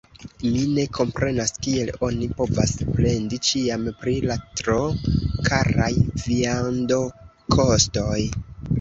Mi ne komprenas, kiel oni povas plendi ĉiam pri la tro karaj viandokostoj!